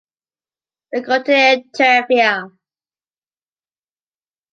We go to Tírvia.